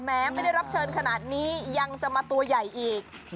ไม่ได้รับเชิญขนาดนี้ยังจะมาตัวใหญ่อีก